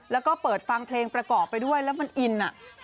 แล้วก็เปิดฟังเพลงประกอบไปด้วยแล้วมันอิน